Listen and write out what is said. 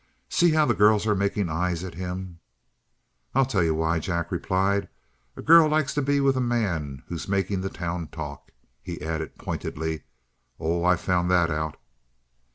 "See how the girls are making eyes at him." "I'll tell you why," Jack replied. "A girl likes to be with the man who's making the town talk." He added pointedly: "Oh, I've found that out!"